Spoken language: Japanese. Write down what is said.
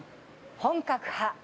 「本格派」